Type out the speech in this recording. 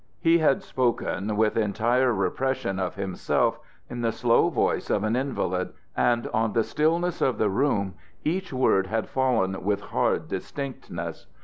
He had spoken with entire repression of himself, in the slow voice of an invalid, and on the stillness of the room each word had fallen with hard distinctness.